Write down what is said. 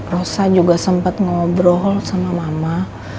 rosa juga sempat ngobrol sama mama